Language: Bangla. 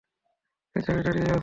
এক জায়গায় দাঁড়িয়েই আছেন।